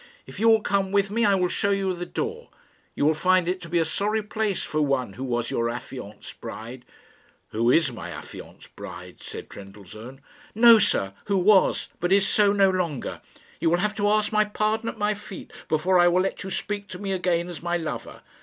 If you will come with me, I will show you the door. You will find it to be a sorry place for one who was your affianced bride." "Who is my affianced bride," said Trendellsohn. "No, sir! who was, but is so no longer. You will have to ask my pardon, at my feet, before I will let you speak to me again as my lover.